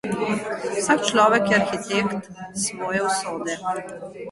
Vsak človek je arhitekt svoje usode.